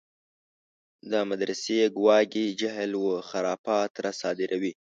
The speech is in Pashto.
دا مدرسې ګواکې جهل و خرافات راصادروي.